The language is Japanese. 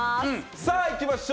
さあ、いきましょう